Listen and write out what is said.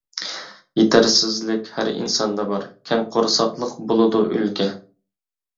يېتەرسىزلىك ھەر ئىنساندا بار، كەڭ قورساقلىق بولىدۇ ئۈلگە.